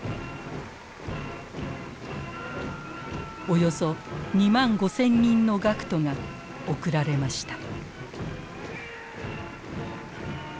およそ２万５，０００人の学徒が送られました。